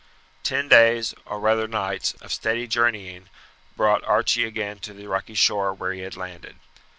Ten days, or rather nights, of steady journeying brought Archie again to the rocky shore where he had landed.